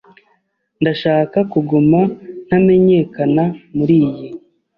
Ndashaka kuguma ntamenyekana muriyi.